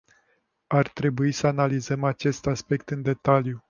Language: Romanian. Ar trebui să analizăm acest aspect în detaliu.